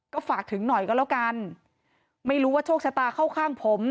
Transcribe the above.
ก็ฝากถึงหน่อยก็แล้วกันไม่รู้ว่าโชคชะตาเข้าข้างผม